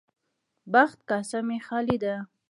بخت کاسه مې خالي ده.